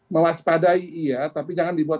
mewaspadai iya tapi jangan dibuat